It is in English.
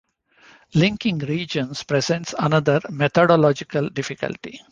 Linking regions presents another methodological difficulty.